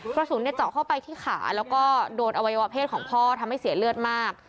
กระสุนเจาะเข้าไปที่ขาแล้วก็โดนอวัยวะเพศของพ่อทำให้เสียเลือดมาก